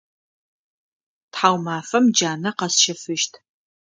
Тхьаумафэм джанэ къэсщэфыщт.